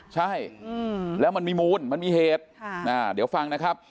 ใช่แล้วมันมีมูลมันมีเหตุเดี๋ยวฟังนะครับ